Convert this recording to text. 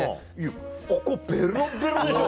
ここベロベロでしょ。